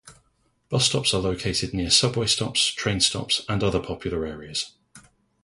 Bus stops are located near subway stops, train stops, and other popular areas.